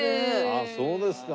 あっそうですか。